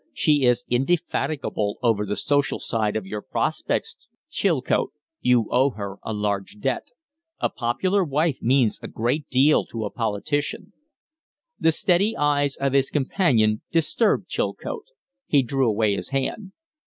She is indefatigable over the social side of your prospects. Chilcote. You owe her a large debt. A popular wife means a great deal to a politician." The steady eyes of his companion disturbed Chilcote. He drew away his hand.